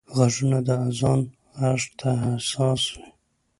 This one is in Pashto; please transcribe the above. غوږونه د اذان غږ ته حساس وي